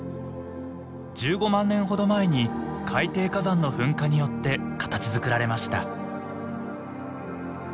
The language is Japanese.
１５万年ほど前に海底火山の噴火によって形づくられました。